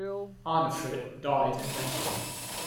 Arnefrit died in battle.